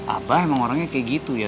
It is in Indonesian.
apa emang orangnya kayak gitu ya